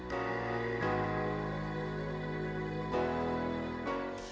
peringatan itu diharapkan dapat mencegah candu bermain dan masalah kesehatan